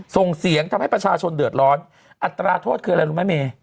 ส่งเสียงทำให้ประชาชนเดือดร้อนอัตราโทษคืออะไรรู้ไหมเม